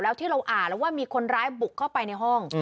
แล้วที่เราอ่านแล้วว่ามีคนร้ายบุกเข้าไปในห้อง